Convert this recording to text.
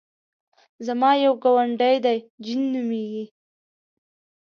زما یو ګاونډی دی جین نومېږي.